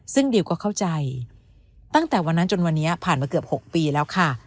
ซึ่งดิวก็เข้าใจตั้งแต่วันนั้นจนวันนี้ผ่านมาเกือบ๖ปีแล้วค่ะ